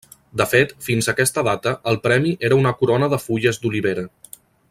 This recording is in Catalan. De fet, fins a aquesta data, el premi era una corona de fulles d'olivera.